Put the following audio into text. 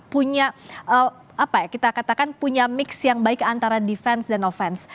punya apa ya kita katakan punya mix yang baik antara defense dan offense